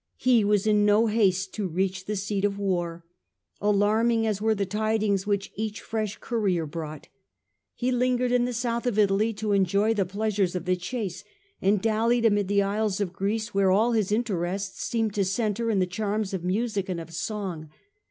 He was in no haste to reach the seat of war, alarming as were the tidings which each fresh courier brought. He lingered in the south of Italy to enjoy the pleasures of the chase, and dallied amid the isles of Greece, where all his interests seemed to centre in the charms of music and of song.